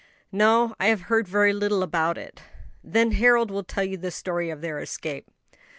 "No, I have heard very little about it." "Then Harold will tell you the story of their escape.